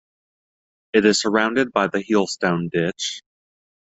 It is surrounded by the Heelstone Ditch.